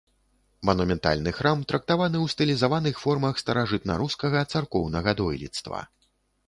Манументальны храм трактаваны ў стылізаваных формах старажытнарускага царкоўнага дойлідства.